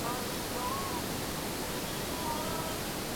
huku mazungumzo ya ngazi ya juu kati ya pande zinazozozana hayajafanikiwa